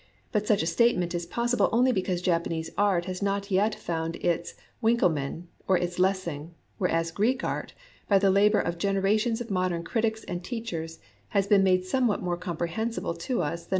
But such a statement is possible only because Japanese art has not yet found its Winckelmann nor its Lessing, whereas Greek art, by the labor of generations of modern critics and teachers, has been made somewhat more comprehensible to us than it could have been to our barbarian forefathers.